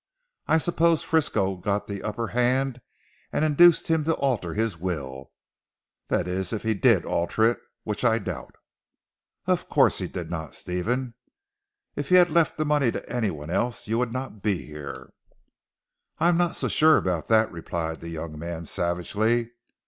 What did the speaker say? I suppose Frisco got the upper hand and induced him to alter his will that is if he did alter it which I doubt." "Of course he did not Stephen. If he had left the money to anyone else you would not be here." "I am not so sure about that," replied the young man savagely.